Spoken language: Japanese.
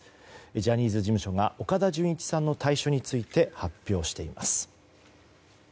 ジャニーズ事務所が岡田准一さんの退所について発表しています。